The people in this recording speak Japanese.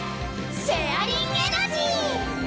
シェアリンエナジー！